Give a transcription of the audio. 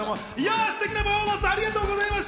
すてきなパフォーマンス、ありがとうございます！